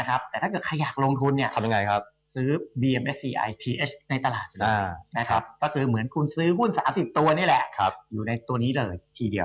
แต่ถ้าเกิดใครอยากลงทุนเนี่ย